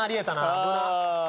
危なっ！